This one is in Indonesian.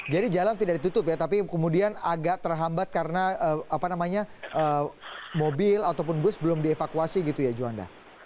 jadi jalan tidak ditutup ya tapi kemudian agak terhambat karena mobil ataupun bus belum dievakuasi gitu ya juanda